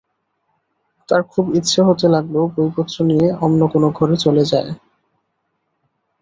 তার খুব ইচ্ছা হতে লাগল, বইপত্র নিয়ে অন্য কোনো ঘরে চলে যায়।